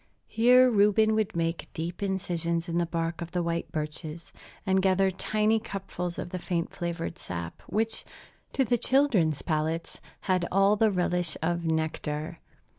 Here Reuben would make deep incisions in the bark of the white birches, and gather tiny cupfuls of the faint flavored sap, which, to the children's palates, had all the relish of nectar.